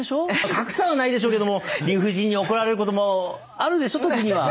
賀来さんはないでしょうけども理不尽に怒られることもあるでしょう時には。